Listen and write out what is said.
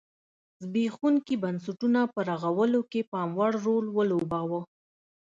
زبېښونکي بنسټونه په رغولو کې پاموړ رول ولوباوه.